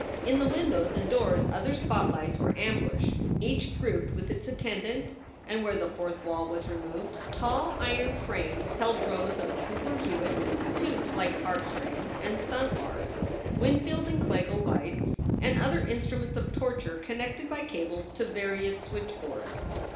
In the windows and doors other spotlights were ambushed, each group with its attendant, and, where the fourth wall was removed, tall iron frames held rows of Cooper Hewitt tubes like harp strings, and sun arcs, Winfield, and Kliegl lights, and other instruments of torture connected by cables to various switchboards.